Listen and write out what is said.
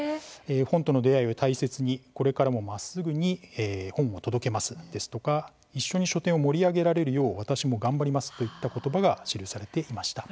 本との出会いを大切にこれからもまっすぐに本を届けます、ですとか一緒に書店を盛り上げられるよう私も頑張ります、といった言葉が記されていました。